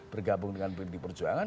bergabung dengan pdi perjuangan